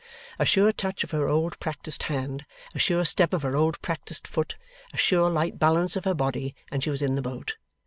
A sure touch of her old practised hand, a sure step of her old practised foot, a sure light balance of her body, and she was in the boat.